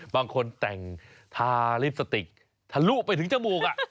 บางคนแต่งทาลิปสติกทะลุไปถึงจมูก